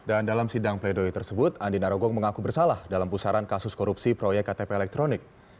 dan dalam sidang pledoy tersebut andi narogong mengaku bersalah dalam pusaran kasus korupsi proyek ktp elektronik